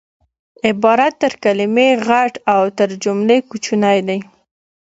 عبارت تر کلیمې غټ او تر جملې کوچنی دئ